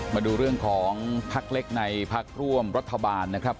มาดูเรื่องของพักเล็กในพักร่วมรัฐบาลนะครับ